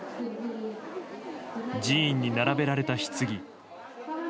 寺院に並べられたひつぎ。